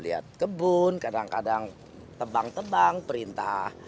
lihat kebun kadang kadang tebang tebang perintah